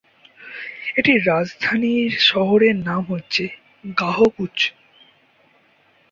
এটির রাজধানী শহরের নাম হচ্ছে গাহকুচ।